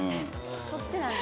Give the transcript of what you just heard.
そっちなんだ。